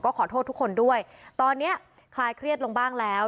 ขอโทษทุกคนด้วยตอนนี้คลายเครียดลงบ้างแล้ว